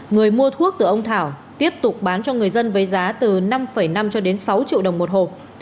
người mua thuốc từ ông thảo tiếp tục bán cho người dân với giá từ năm năm cho đến sáu triệu đồng một hộp